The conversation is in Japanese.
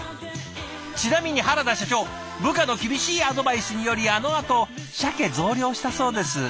ちなみに原田社長部下の厳しいアドバイスによりあのあとシャケ増量したそうです。